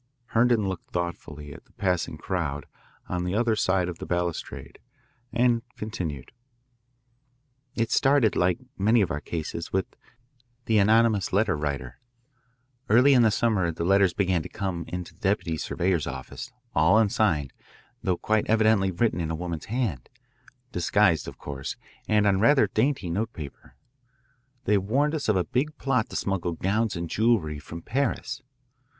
Herndon looked thoughtfully at the passing crowd on the other side of the balustrade and continued. "It started, like many of our cases, with the anonymous letter writer. Early in the summer the letters began to come in to the deputy surveyor's office, all unsigned, though quite evidently written in a woman's hand, disguised of course, and on rather dainty notepaper. They warned us of a big plot to smuggle gowns and jewellery from Paris.